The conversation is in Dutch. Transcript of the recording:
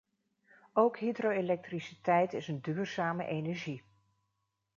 Ook hydroelektriciteit is een duurzame energie.